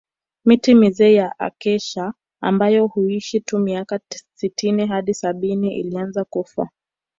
Miti mizee ya Acacia ambayo huishi tu miaka sitini hadi sabini ilianza kufa